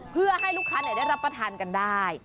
เพื่อให้ลูกค้าได้รับประทานกันได้